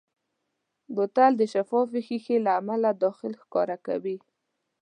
بوتل د شفافې ښیښې له امله داخل ښکاره کوي.